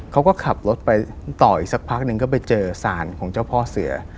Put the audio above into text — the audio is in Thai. เขาก็ขับรถไปต่ออีกสักพักหนึ่งก็ไปเจอสารของเจ้าพ่อเสือ